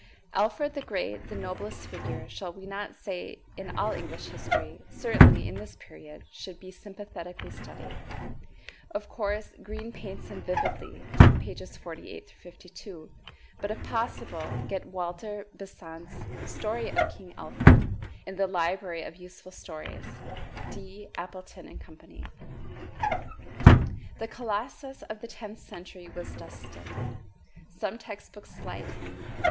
Alfred the Great, the noblest figure, shall we not say in all English history certainly in this period, should be sympathetically studied. Of course Green paints him vividly, pp. 48 52, but if possible get Walter Besant's "Story of King Alfred," in the "Library of Useful Stories" (D. Appleton & Co.). The colossus of the tenth century was Dunstan. Some text books slight him.